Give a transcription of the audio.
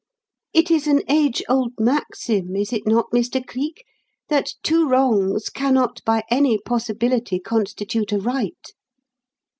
"It is an age old maxim, is it not, Mr. Cleek, that two wrongs cannot by any possibility constitute a right?